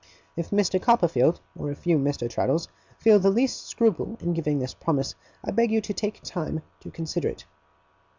If Mr. Copperfield, or if you, Mr. Traddles, feel the least scruple, in giving this promise, I beg you to take time to consider it.